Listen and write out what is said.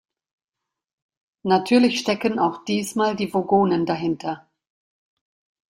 Natürlich stecken auch diesmal die Vogonen dahinter.